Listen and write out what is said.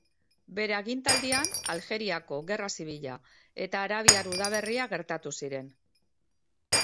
Bere agintaldian Aljeriako Gerra Zibila eta Arabiar Udaberria gertatu ziren.